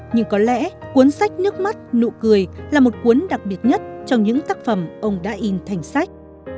nhưng có lẽ cuốn sách nước mắt nụ cười là một cuốn đặc biệt nhất trong những tác phẩm ông đã in thành sách